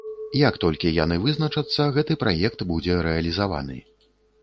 Як толькі яны вызначацца, гэты праект будзе рэалізаваны.